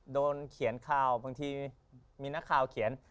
โดนเขียนข่าวบางทีมีนักข่าวเขียน